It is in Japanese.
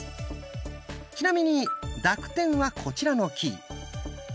ちなみに濁点はこちらのキー。